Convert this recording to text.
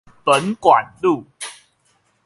本館路